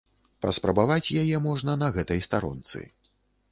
Паспрабаваць яе можна на гэтай старонцы.